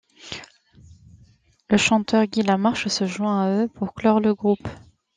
Le chanteur Guy Lamarche se joint à eux pour clore le groupe.